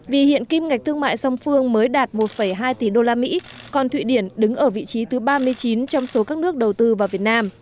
vì hiện kim ngạch thương mại song phương mới đạt một hai tỷ usd còn thụy điển đứng ở vị trí thứ ba mươi chín trong số các nước đầu tư vào việt nam